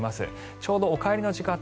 ちょうどお帰りの時間帯